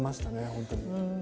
本当に。